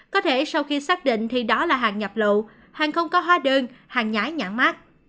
có thể sau khi xác định thì đó là hàng nhập lậu hàng không có hóa đơn hàng nhái nhãn mát